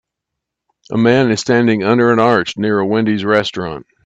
A man is standing under an arch near a Wendy 's restaurant.